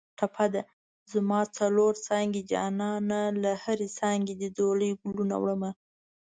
ټپه ده: زما څلور څانګې جانانه له هرې څانګې دې ځولۍ ګلونه وړمه